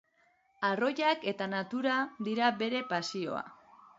Arroilak, eta natura, dira bere pasioa.